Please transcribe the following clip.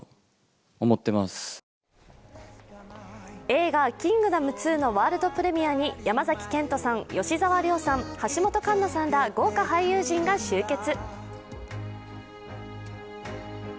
映画「キングダム２」のワールドプレミアに山崎賢人さん、吉沢亮さん、橋本環奈さんら豪華俳優陣が集結。